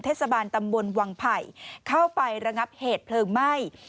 เทศบาลตำบลวังไผ่เข้าไประงับเหตุเพลิงไหม้